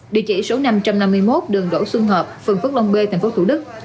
địa chỉ số năm trăm năm mươi một đường đỗ xuân hợp phường phước long b tp hcm